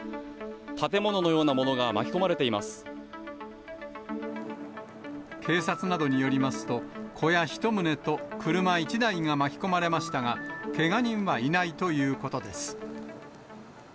建物のようなものが巻き込まれて警察などによりますと、小屋１棟と車１台が巻き込まれましたが、けが人はいないということです。